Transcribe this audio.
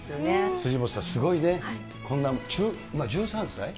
辻元さん、すごいね、こんな、１３歳。